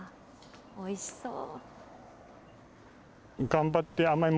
おいしそう。